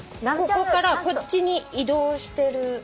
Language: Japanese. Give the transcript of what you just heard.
ここからこっちに移動してる。